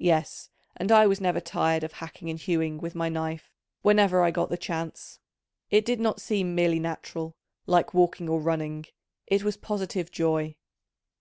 Yes, and I was never tired of hacking and hewing with my knife whenever I got the chance: it did not seem merely natural, like walking or running, it was positive joy.